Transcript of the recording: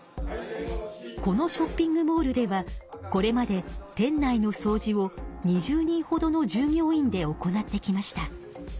このショッピングモールではこれまで店内のそうじを２０人ほどの従業員で行ってきました。